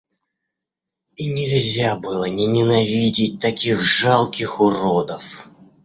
И нельзя было не ненавидеть таких жалких уродов.